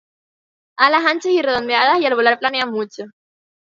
Alas anchas y redondeadas y al volar planean mucho.